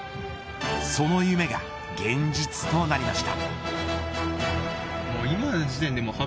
その夢が、現実となりました。